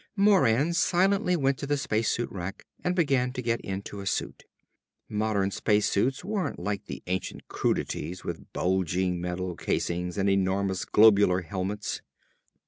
Moran silently went to the space suit rack and began to get into a suit. Modern space suits weren't like the ancient crudities with bulging metal casings and enormous globular helmets.